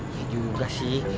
iya juga sih